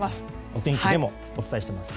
お天気でもお伝えしています。